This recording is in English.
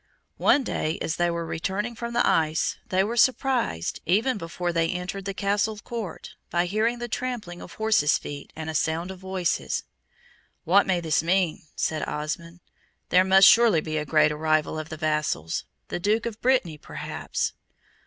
One day, as they were returning from the ice, they were surprised, even before they entered the Castle court, by hearing the trampling of horses' feet, and a sound of voices. "What may this mean?" said Osmond. "There must surely be a great arrival of the vassals. The Duke of Brittany, perhaps."